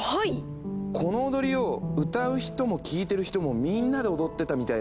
この踊りを歌う人も聴いてる人もみんなで踊ってたみたいだね。